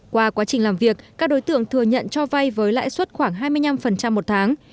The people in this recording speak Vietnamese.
qua quá trình làm việc các đối tượng thừa nhận cho vay với lãi suất khoảng hai mươi năm một tháng